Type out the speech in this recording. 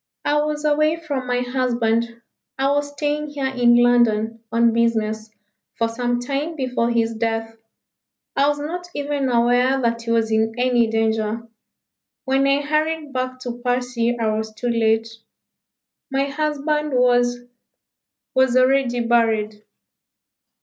"I was away from my husband. I was staying here in London on business for some time before his death. I was not even aware that he was in any danger. When I hurried back to Passy I was too late. My husband was was already buried."